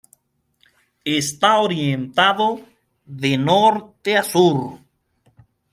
Está orientado de norte a sur.